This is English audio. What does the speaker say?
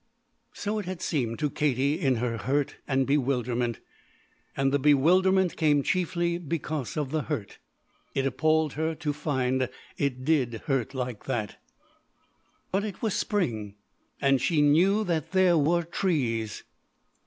So it had seemed to Katie in her hurt and bewilderment. And the bewilderment came chiefly because of the hurt. It appalled her to find it did hurt like that. But it was spring and she knew that there were trees!